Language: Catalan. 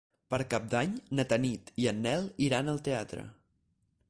Per Cap d'Any na Tanit i en Nel iran al teatre.